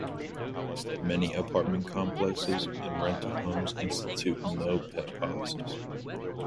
Many apartment complexes and rental homes institute no pet policies.